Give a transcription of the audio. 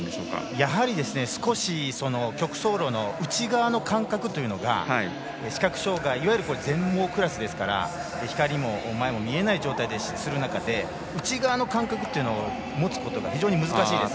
やはり少し、曲走路の内側の感覚というのが視覚障がいいわゆる全盲クラスですから光も前も見えない状態で走る中で内側の感覚というのを持つことが非常に難しいです。